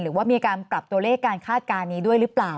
หรือว่ามีการปรับตัวเลขการคาดการณ์นี้ด้วยหรือเปล่า